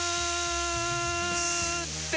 って